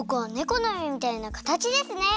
このめみたいなかたちですね！